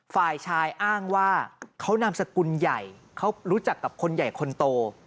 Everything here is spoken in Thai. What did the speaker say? ฝ่ายชายอ้างว่าเขานามสกุลใหญ่เขารู้จักกับคนใหญ่คนโต